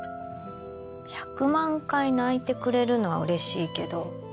１００万回泣いてくれるのは嬉しいけど